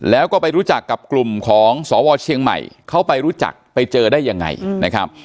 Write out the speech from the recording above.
แล้วก็ไปรู้จักกับกลุ่มของสวเชียงใหม่เขาไปรู้จักไปเจอได้ยังไงนะครับ